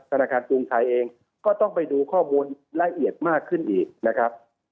ธนาคารกรุงไทยเองก็ต้องไปดูข้อมูลละเอียดมากขึ้นอีกนะครับ